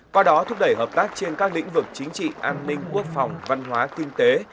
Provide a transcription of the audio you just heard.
qua đó thúc đẩy hợp tác trên các lĩnh vực chính trị an ninh quốc phòng văn hóa kinh tế